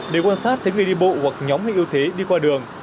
để quan sát thấy người đi bộ hoặc nhóm người yếu thế đi qua đường